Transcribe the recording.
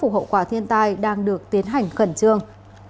hỏa thiên tai đang được tiến hành khẩn trương